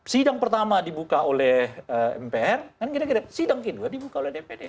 sidang pertama dibuka oleh mpr sidang kedua dibuka oleh dpd